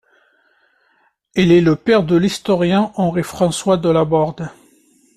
Il est le père de l’historien Henri François Delaborde.